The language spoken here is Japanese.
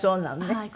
はい。